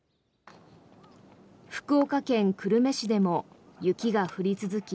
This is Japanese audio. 福岡県久留米市でも雪が降り続き